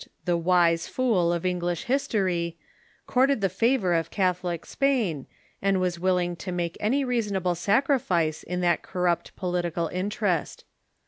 the "wise fool" of Englisli history, courted the favor of Catholic Spain, and was Avilling to make any reasonable sacri fice in that corrupt political interest.